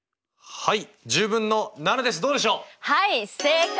はい。